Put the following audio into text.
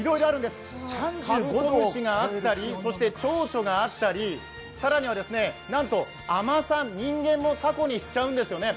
カブトムシがあったり、ちょうちょがあったり更にはなんと海女さん、人間もたこにしちゃうんですよね。